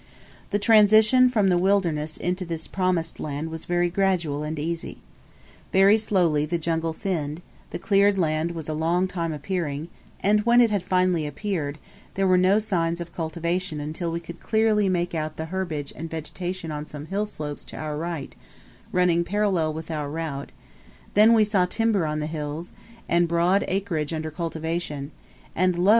The transition from the wilderness into this Promised Land was very gradual and easy. Very slowly the jungle thinned, the cleared land was a long time appearing, and when it had finally appeared, there were no signs of cultivation until we could clearly make out the herbage and vegetation on some hill slopes to our right running parallel with our route, then we saw timber on the hills, and broad acreage under cultivation and, lo!